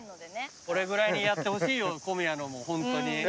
これぐらいにやってほしいよ小宮のもホントに。